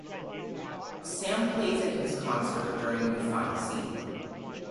Sam plays at his concert during the final scene.